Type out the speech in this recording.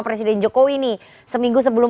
presiden jokowi nih seminggu sebelum